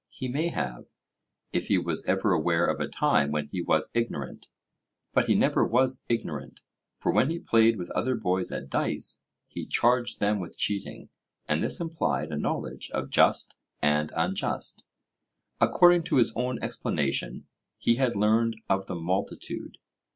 He may have, if he was ever aware of a time when he was ignorant. But he never was ignorant; for when he played with other boys at dice, he charged them with cheating, and this implied a knowledge of just and unjust. According to his own explanation, he had learned of the multitude.